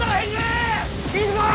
行くぞ！